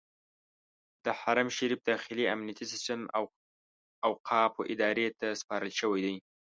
د حرم شریف داخلي امنیتي سیستم اوقافو ادارې ته سپارل شوی دی.